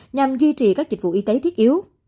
nhằm duy trì các dịch vụ y tế thiết yếu